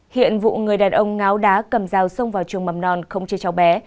hiện vụ người đàn ông ngáo đá cầm dao xông vào trường mầm non không chơi cháu bé